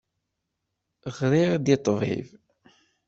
Ɣriɣ-d i ṭṭbib.